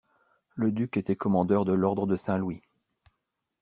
Le duc était commandeur de l’ordre de Saint-Louis.